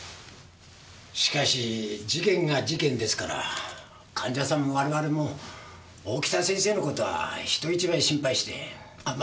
しかし事件が事件ですから患者さんも我々も大北先生の事は人一倍心配してあ